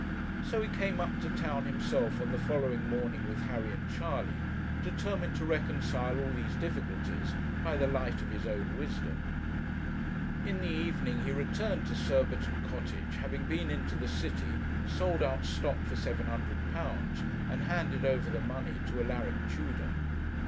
So he came up to town himself on the following morning with Harry and Charley, determined to reconcile all these difficulties by the light of his own wisdom. In the evening he returned to Surbiton Cottage, having been into the city, sold out stock for £700, and handed over the money to Alaric Tudor.